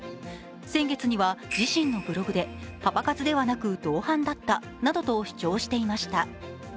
先月には自身のブログでパパ活ではなく同伴だったなどと主張していました。